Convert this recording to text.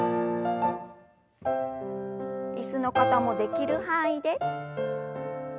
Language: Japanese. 椅子の方もできる範囲で。